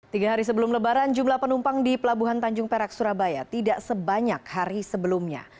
tiga hari sebelum lebaran jumlah penumpang di pelabuhan tanjung perak surabaya tidak sebanyak hari sebelumnya